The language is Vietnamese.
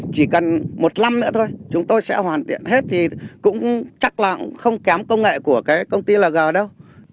chỉ cần một năm nữa thôi chúng tôi sẽ hoàn thiện hết thì cũng chắc là không kém công nghệ của công ty là gà đâu